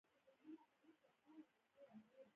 چرګان د چاپېریال سره عادت پیدا کوي.